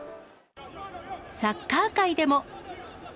サッカー界でも。